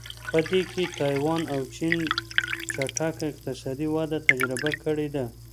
په دې کې تایوان او چین چټکه اقتصادي وده تجربه کړې ده.